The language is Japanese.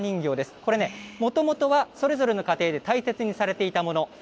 これね、もともとはそれぞれの家庭で大切にされていたもの。